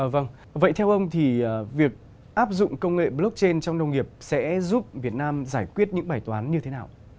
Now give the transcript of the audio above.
vâng vậy theo ông thì việc áp dụng công nghệ blockchain trong nông nghiệp sẽ giúp việt nam giải quyết những bài toán như thế nào